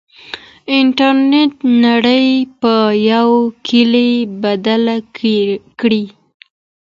انټرنېټ نړۍ په يو کلي بدله کړې.